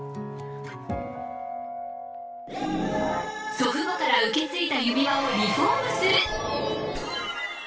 祖父母から受け継いだ指輪をリフォームする